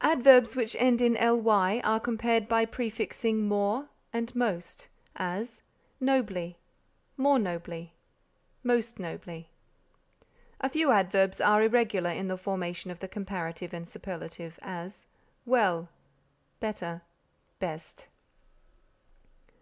Adverbs which end in ly are compared by prefixing more and most; as, nobly, more nobly, most nobly. A few adverbs are irregular in the formation of the comparative and superlative; as, well, better, best.